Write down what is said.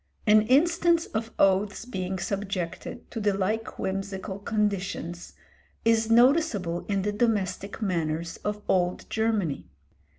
An instance of oaths being subjected to the like whimsical conditions is noticeable in the domestic manners of Old Germany.